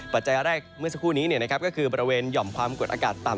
ปัจจัยแรกเมื่อสักครู่นี้ก็คือบริเวณหย่อมความกดอากาศต่ำ